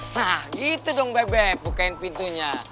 nah gitu dong bebek bukain pintunya